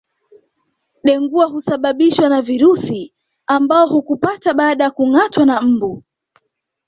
Dengua husababishwa na virusi ambao hukupata baada ya kungâatwa na mbu